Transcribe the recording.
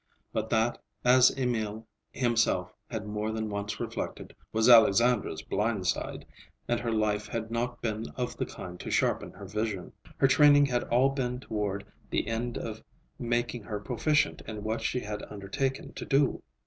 But that, as Emil himself had more than once reflected, was Alexandra's blind side, and her life had not been of the kind to sharpen her vision. Her training had all been toward the end of making her proficient in what she had undertaken to do.